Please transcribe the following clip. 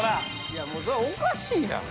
いやおかしいやん。